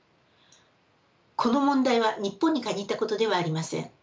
この問題は日本に限ったことではありません。